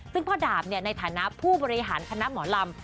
ซึ่งพ่อดาบในฐานะผู้บริหารคณะหมอลำ